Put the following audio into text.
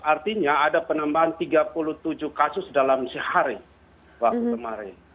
artinya ada penambahan tiga puluh tujuh kasus dalam sehari waktu kemarin